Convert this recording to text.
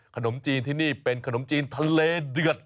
ขนมจีนที่นี่เป็นขนมจีนทะเลเดือด